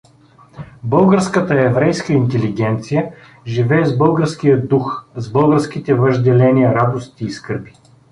Българската еврейска интелигенция живее с българския дух, с българските въжделения, радости и скърби.